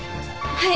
はい。